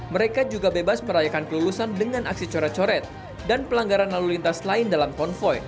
mereka juga bebas merayakan kelulusan dengan aksi coret coret dan pelanggaran lalu lintas lain dalam konvoy